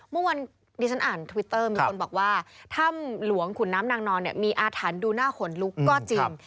เมื่อวันดิฉันอ่านทวิตเตอร์มีคนบอกว่าถ้ำหลวงขุนน้ำนางนอนเนี่ยมีอาถรรพ์ดูหน้าขนลุกก็จริง